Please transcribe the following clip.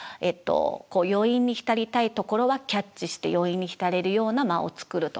余韻に浸りたいところはキャッチして余韻に浸れるような間を作るとか。